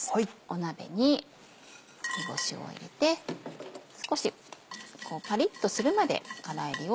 鍋に煮干しを入れて少しパリっとするまで。